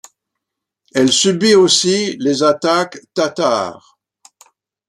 Elle subit aussi les attaques tatares.